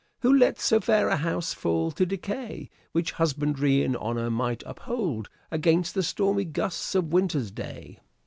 Who lets so fair a house fall to decay, Which husbandry in honour might uphold Against the stormy gusts of winter's day